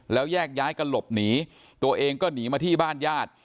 แล้วแยกย้ายกันหลบหนีตัวเองก็หนีมาที่บ้านญาติ